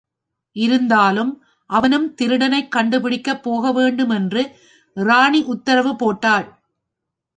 இருந்தாலும் அவனும் திருடனைக் கண்டுபிடிக்கப் போக வேண்டும் என்று ராணி உத்தரவு போட்டாள்.